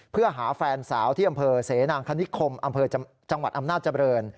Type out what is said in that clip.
เพื่อหาแฟนสาวที่อำเภอเสนางคณิคมอำเภอจังหวัดอำนาจเจริญ